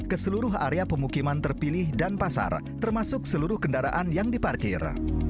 ke seluruh area pemukiman terpilih dan pasar termasuk seluruh kendaraan yang diparkir